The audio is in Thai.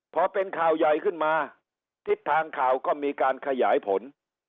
พอเป็นข่าวใหญ่ขึ้นมาทิศทางข่าวก็มีการขยายผล